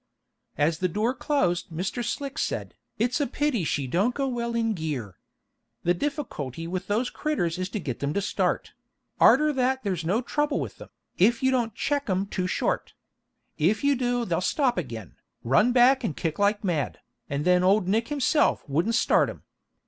As the door closed Mr. Slick said, "It's a pity she don't go well in gear. The difficulty with those critters is to git them to start: arter that there is no trouble with them, if you don't check 'em too short. If you do they'll stop again, run back and kick like mad, and then Old Nick himself wouldn't start 'em.